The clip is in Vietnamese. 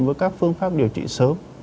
với các phương pháp điều trị sớm